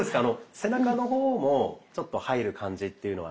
背中の方もちょっと入る感じというのは。